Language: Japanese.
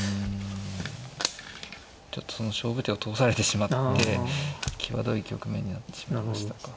ちょっとその勝負手を通されてしまって際どい局面になってしまいましたか。